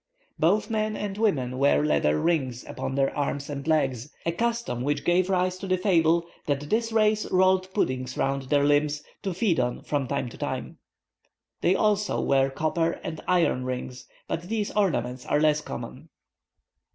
Both men and women wear leather rings upon their arms and legs a custom, which gave rise to the fable that this race rolled puddings round their limbs, to feed on from time to time. They also wear copper and iron rings, but these ornaments are less common.